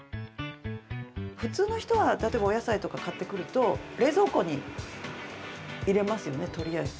普通の人は例えば、お野菜とか買ってくると冷蔵庫に入れますよね